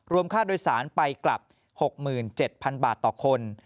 ค่าโดยสารไปกลับ๖๗๐๐บาทต่อคน